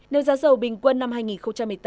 nếu giá dầu bình quân năm hai nghìn một mươi tám